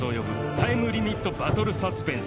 タイムリミットバトルサスペンス